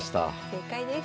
正解です。